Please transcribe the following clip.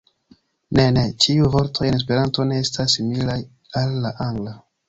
Ne, ne, ĉiuj vortoj en Esperanto ne estas similaj al la Angla.